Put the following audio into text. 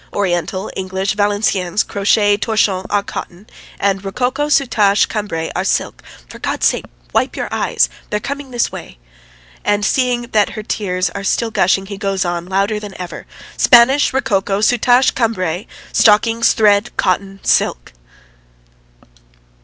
Oriental, English, Valenciennes, crochet, torchon, are cotton. And rococo, soutache, Cambray, are silk. ... For God's sake, wipe your eyes! They're coming this way!" And seeing that her tears are still gushing he goes on louder than ever: "Spanish, Rococo, soutache, Cambray ... stockings, thread, cotton, silk